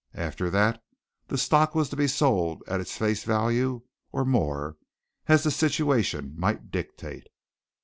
After that the stock was to be sold at its face value, or more, as the situation might dictate.